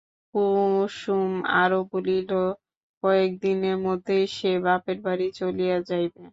কুসুম আরও বলিল, কয়েক দিনের মধ্যেই সে বাপের বাড়ি চলিয়া যাইবে।